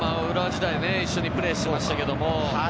浦和時代、一緒にプレーしていました。